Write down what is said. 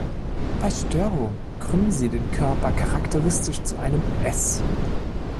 Bei Störung krümmen sie den Körper charakteristisch zu einem „S“.